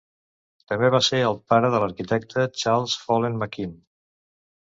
També va ser el pare de l'arquitecte Charles Follen McKim.